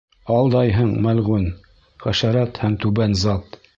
— Алдайһың, мәлғүн, хәшәрәт һәм түбән зат!